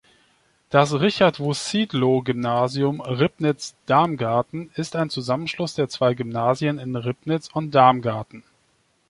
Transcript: Das Richard-Wossidlo-Gymnasium Ribnitz-Damgarten ist ein Zusammenschluss der zwei Gymnasien in Ribnitz und Damgarten.